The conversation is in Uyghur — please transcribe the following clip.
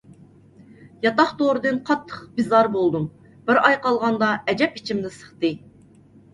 ياتاق تورىدىن قاتتىق بىزار بولدۇم. بىر ئاي قالغاندا ئەجەب ئىچىمنى سىقتى.